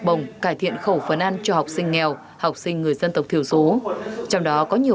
bồng cải thiện khẩu phấn ăn cho học sinh nghèo học sinh người dân tộc thiểu số trong đó có nhiều